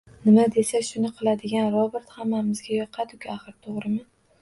Nima desa shuni qiladigan robot hammamizga yoqadiku axir, to‘g‘rimi?